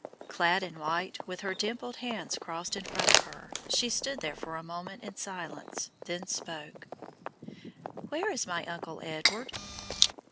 Clad in white, with her dimpled hands crossed in front of her, she stood there for a moment in silence, then spoke: "Where is my Uncle Edward?"